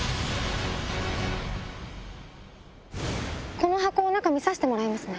この箱の中見させてもらいます。